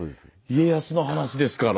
家康の話ですから。